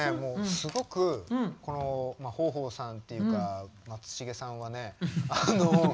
すごくこの豊豊さんというか松重さんはね。